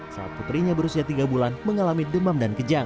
saat putrinya berusia tiga bulan mengalami demam dan kejang